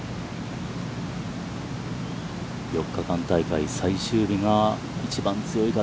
４日間大会最終日が一番強い風。